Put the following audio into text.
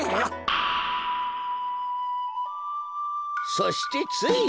そしてついに。